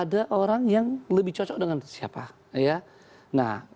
ada orang yang lebih cocok dengan siapa